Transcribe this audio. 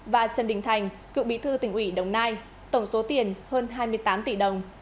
và trần đình thành cựu bí thư tỉnh ubnd tổng số tiền hơn hai mươi tám tỷ đồng